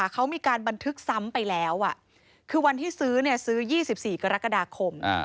เขามีการบันทึกซ้ำไปแล้วคือวันที่ซื้อซื้อ๒๔กรกฎาคม